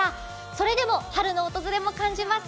それでも春の訪れも感じます。